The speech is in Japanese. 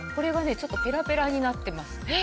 ちょっとぺらぺらになってます。